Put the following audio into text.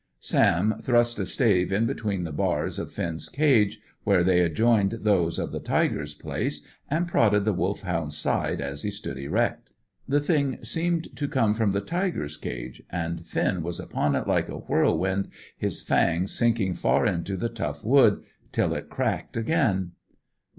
Sam thrust a stave in between the bars of Finn's cage, where they adjoined those of the tiger's place, and prodded the Wolfhound's side as he stood erect. The thing seemed to come from the tiger's cage, and Finn was upon it like a whirlwind, his fangs sinking far into the tough wood, till it cracked again.